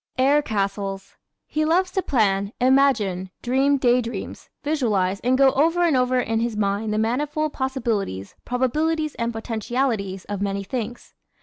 Air Castles ¶ He loves to plan, imagine, dream day dreams, visualize and go over and over in his mind the manifold possibilities, probabilities and potentialities of many things.